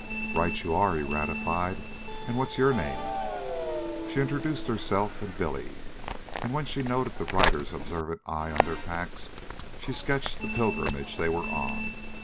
"Right you are," he ratified. "And what's your name?" Saxon introduced herself and Billy, and, when she noted the writer's observant eye on their packs, she sketched the pilgrimage they were on.